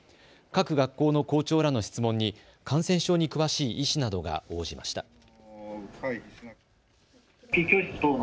各学校の校長らの質問に感染症に詳しい医師などが応じました。